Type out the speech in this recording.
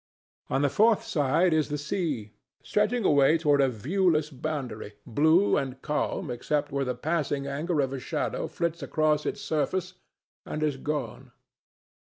On the fourth side is the sea, stretching away toward a viewless boundary, blue and calm except where the passing anger of a shadow flits across its surface and is gone.